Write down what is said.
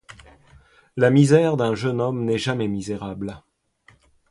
La misère d'un jeune homme n'est jamais misérable.